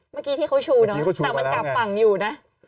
เมื่อกี้ที่เขาชูเนอะแต่มันกลับฝั่งอยู่นะ